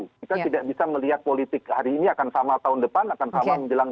kita tidak bisa melihat politik hari ini akan sama tahun depan akan sama menjelang dua ribu dua puluh empat